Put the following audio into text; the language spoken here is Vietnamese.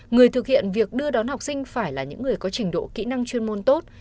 người thực hiện việc đưa đón học sinh phải là những người có trình độ kỹ năng chuyên môn tốt